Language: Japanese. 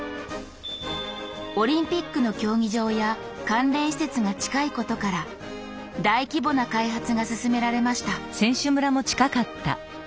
オリンピックの競技場や関連施設が近いことから大規模な開発が進められました